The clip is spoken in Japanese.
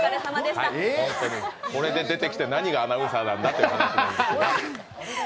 これで出てきて何がアナウンサーなんだって感じです。